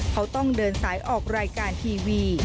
เขาต้องเดินสายออกรายการทีวี